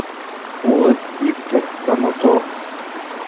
Улыт иктӧр да мотор;